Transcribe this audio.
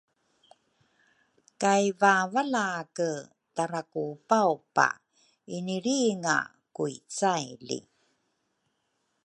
kay vavalake tara-kupa-upa inilringa ku icaily